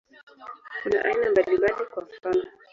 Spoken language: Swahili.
Kuna aina mbalimbali, kwa mfano.